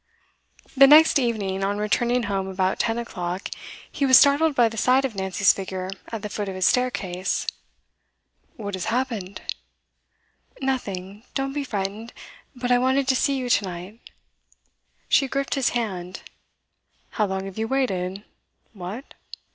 The next evening, on returning home about ten o'clock, he was startled by the sight of Nancy's figure at the foot of his staircase. 'What has happened?' 'Nothing don't be frightened. But I wanted to see you tonight.' She gripped his hand. 'How long have you waited? What!